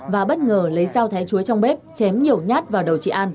và bất ngờ lấy dao thái chuối trong bếp chém nhiều nhát vào đầu chị an